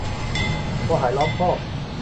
วัวหายล้อมคอก